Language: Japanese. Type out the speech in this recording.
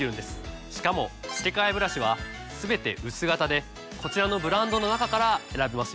しかも付け替えブラシはすべて薄型でこちらのブランドの中から選べますよ。